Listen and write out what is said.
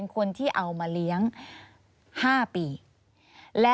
ควิทยาลัยเชียร์สวัสดีครับ